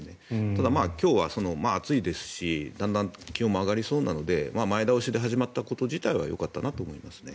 ただ、今日は暑いですしだんだん気温も上がりそうなので前倒しで始まったこと自体はよかったなと思いますね。